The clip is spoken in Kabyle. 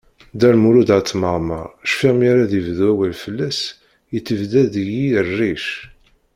Dda Lmud At Mɛemmeṛ, cfiɣ mi ara d-bdu awal fell-as, yettebdad deg-i rric.